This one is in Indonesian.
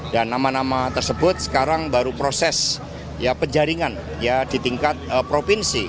dan nama nama tersebut sekarang baru proses penjaringan di tingkat provinsi